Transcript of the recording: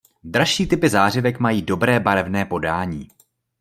Dražší typy zářivek mají dobré barevné podání.